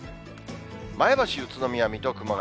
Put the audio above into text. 前橋、宇都宮、水戸、熊谷。